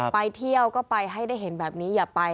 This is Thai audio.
ไปเที่ยวก็ไปให้ได้เห็นแบบนี้อย่าไป